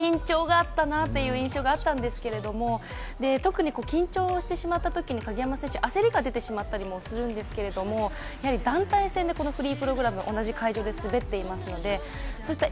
団体戦のときに比べると少し緊張があったなという印象があったんですけれども、特に緊張してしまったときに鍵山選手、焦りが出てしまったりもするんですけれども、団体戦でこのフリープログラム、同じ会場で滑っていますのでそう